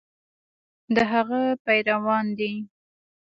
د هغه پیروان دي.